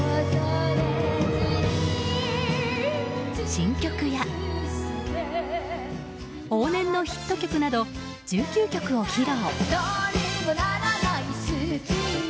新曲や往年のヒット曲など１９曲を披露。